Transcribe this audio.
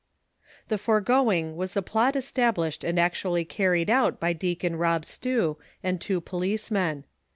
Tlie foregoing was the plot established and actually car ried out by Deacon Rob Stew and two policemen.